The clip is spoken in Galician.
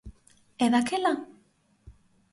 E daquela?